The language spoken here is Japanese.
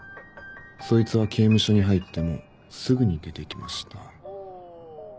そいつは刑務所に入ってもすぐに出てきました。